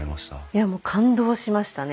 いやもう感動しましたね。